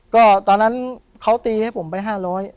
ก็ตอนนั้นเค้าตีให้ผมไปห้าร้อย